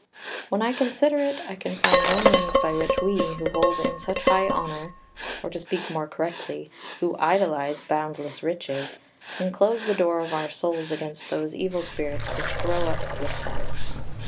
] 7 "When I consider it I can find no means by which we, who hold in such high honour, or, to speak more correctly, who idolise boundless riches, can close the door of our souls against those evil spirits which grow up with them.